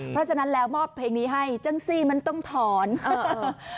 เพราะฉะนั้นแล้วมอบเพลงนี้ให้จังซี่มันต้องถอนเออ